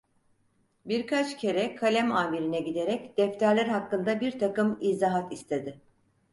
Birkaç kere kalem âmirine giderek defterler hakkında birtakım izahat istedi.